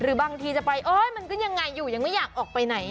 บางทีจะไปเอ้ยมันก็ยังไงอยู่ยังไม่อยากออกไปไหน